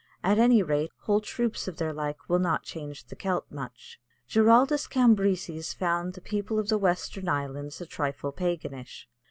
At any rate, whole troops of their like will not change the Celt much. Giraldus Cambrensis found the people of the western islands a trifle paganish.